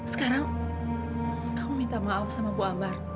sekarang kamu minta maaf sama bu ambar